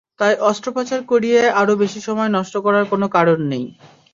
তাই অস্ত্রোপচার করিয়ে আরও বেশি সময় নষ্ট করার কোনো কারণ নেই।